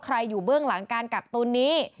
อยู่เบื้องหลังการกักตุลนี้